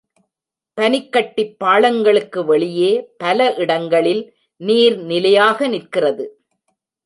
பனிக்கட்டிப் பாளங்களுக்கு வெளியே பல இடங்களில் நீர் நிலையாக நிற்கிறது.